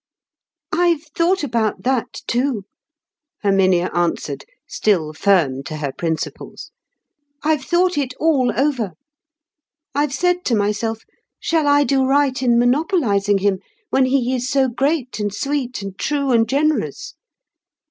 "I've thought about that too," Herminia answered, still firm to her principles. "I've thought it all over. I've said to myself, Shall I do right in monopolising him, when he is so great, and sweet, and true, and generous?